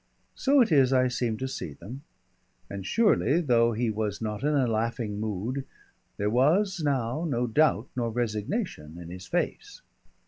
So it is I seem to see them, and surely though he was not in a laughing mood, there was now no doubt nor resignation in his face.